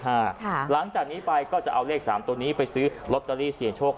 หลังจากนี้ไปก็จะเอาเลข๓ตัวนี้ไปซื้อลอตเตอรี่เสียงโชค